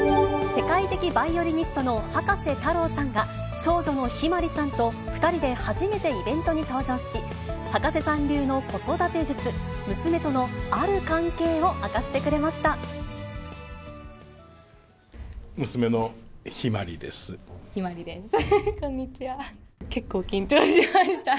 世界的バイオリニストの葉加瀬太郎さんが、長女の向日葵さんと２人で初めてイベントに登場し、葉加瀬さん流の子育て術、娘とのある関係を明かしてくれました。